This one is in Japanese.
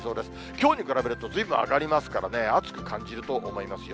きょうに比べるとずいぶん上がりますからね、暑く感じると思いますよ。